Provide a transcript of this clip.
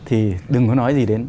thì đừng có nói gì đến